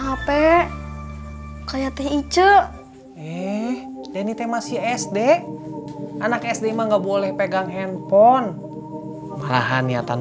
hp kayak teh icu eh denny teh masih sd anak sd mah nggak boleh pegang handphone malah niatan